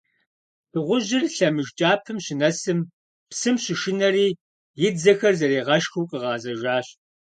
Дыгъужьыр лъэмыж кӀапэм щынэсым, псым щышынэри, и дзэхэр зэригъэшхыу къигъэзэжащ.